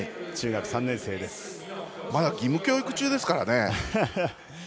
まだ義務教育中ですからね。